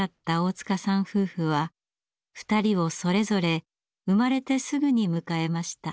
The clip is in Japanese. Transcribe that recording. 夫婦は２人をそれぞれ生まれてすぐに迎えました。